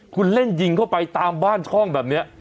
คุณเล่นยิงเข้าไปตามบ้านช่องแบบนี้